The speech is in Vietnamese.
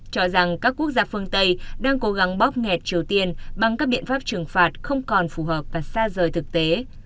cho rằng các quốc gia phương tây đang cố gắng bóp nghẹt triều tiên bằng các biện pháp trừng phạt không còn phù hợp và xa rời thực tế